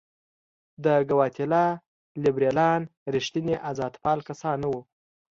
د ګواتیلا لیبرالان رښتیني آزادپاله کسان نه وو.